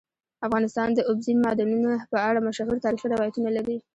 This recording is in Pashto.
افغانستان د اوبزین معدنونه په اړه مشهور تاریخی روایتونه لري.